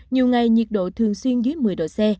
nhiều ngày nhiệt độ thường xuyên dưới một mươi độ c